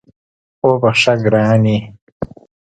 وبخښه ګرانې